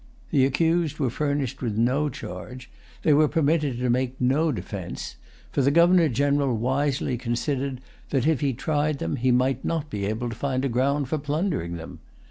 The accused were furnished with no charge; they were permitted to make no defence; for the Governor General wisely considered that, if he tried them, he might not be able to find a ground for plundering them.